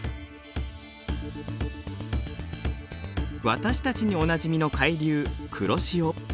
私たちにおなじみの海流黒潮。